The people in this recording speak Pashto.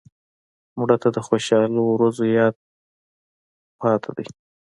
مړه ته د خوشحالۍ ورځو یاد پاتې دی